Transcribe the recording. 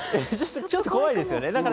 ちょっと怖いですよね。